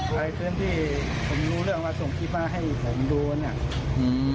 อะไรคืนที่ผมรู้เรื่องมาส่งคลิปมาให้ผมดูเนี่ย